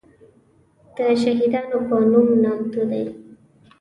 دشهیدانو په نوم نامتو دی.